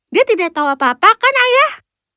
dia tidak tahu apa apa kan ayah